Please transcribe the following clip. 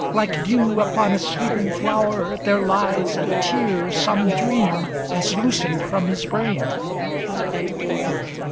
Like dew upon a sleeping flower, there lies A tear some Dream has loosened from his brain.'